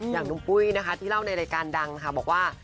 อย่างน้องปุ้ยนะคะที่เล่าในรายการดังนะคะบอกว่า